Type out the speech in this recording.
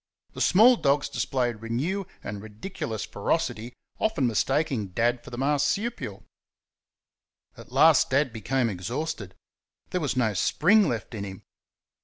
The small dogs displayed renewed and ridiculous ferocity, often mistaking Dad for the marsupial. At last Dad became exhausted there was no spring left in him.